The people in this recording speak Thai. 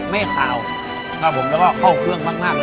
ไม่ขาวครับผมแล้วก็เข้าเครื่องมากเลย